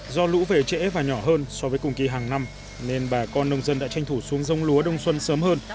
do lũ về trễ và nhỏ hơn so với cùng kỳ hàng năm nên bà con nông dân đã tranh thủ xuống giống lúa đông xuân sớm hơn